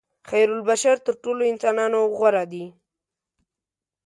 خیرالبشر تر ټولو انسانانو غوره دي.